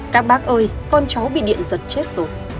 các bác ơi con cháu bị điện giật chết rồi